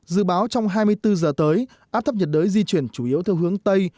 dự báo trong hai mươi bốn giờ tới áp thấp nhiệt đới di chuyển chủ yếu theo hướng tây